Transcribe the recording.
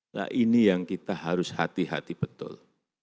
nah ini yang kita harus hati hati betul